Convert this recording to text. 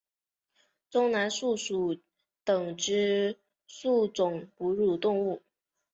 中南树鼠属等之数种哺乳动物。